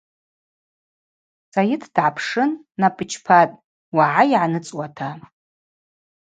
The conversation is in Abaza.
Сайыт дгӏапшын напӏ йчпатӏ – угӏай гӏаныцӏуата.